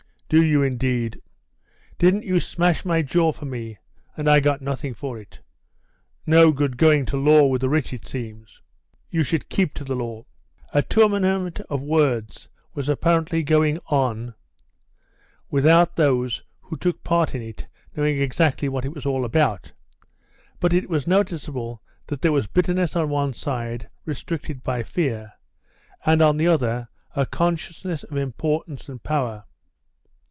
"Do you, indeed. Didn't you smash my jaw for me, and I got nothing for it? No good going to law with the rich, it seems." "You should keep to the law." A tournament of words was apparently going on without those who took part in it knowing exactly what it was all about; but it was noticeable that there was bitterness on one side, restricted by fear, and on the other a consciousness of importance and power.